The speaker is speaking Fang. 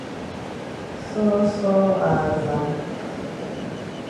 Sôsôe a zam.